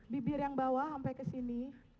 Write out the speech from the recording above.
bibir yang bawah sampai ke sini